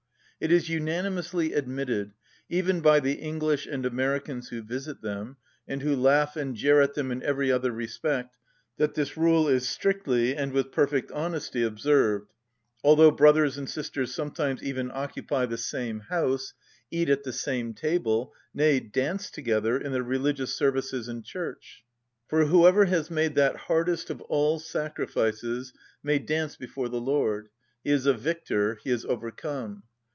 It is unanimously admitted, even by the English and Americans who visit them, and who laugh and jeer at them in every other respect, that this rule is strictly and with perfect honesty observed; although brothers and sisters sometimes even occupy the same house, eat at the same table, nay, dance together in the religious services in church. For whoever has made that hardest of all sacrifices may dance before the Lord; he is a victor, he has overcome.